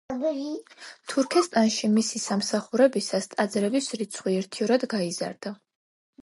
თურქესტანში მისი მსახურებისას ტაძრების რიცხვი ერთიორად გაიზარდა.